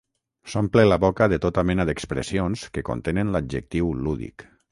S'omple la boca de tota mena d'expressions que contenen l'adjectiu lúdic.